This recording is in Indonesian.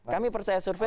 kami percaya survei